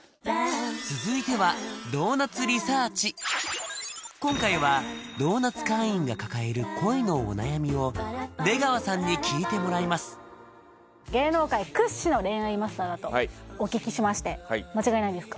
続いては今回はドーナツ会員が抱える恋のお悩みを出川さんに聞いてもらいますだとお聞きしまして間違いないですか？